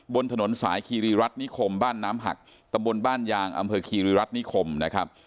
บนถนนสายคีรีรัฐนิคมบ้านน้ำหักตำบลบ้านยางอำเภอคีรีรัฐนิคมนะครับ